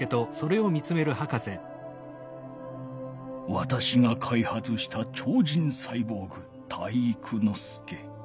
わたしが開発した超人サイボーグ体育ノ介。